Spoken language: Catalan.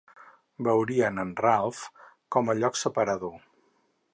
Veurien el Raft com a lloc separador.